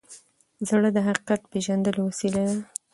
زړه د حقیقت پیژندلو وسیله ده.